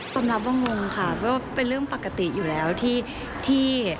คำนับว่างงงค่ะเพราะว่าเป็นเรื่องปกติอยู่แล้วที่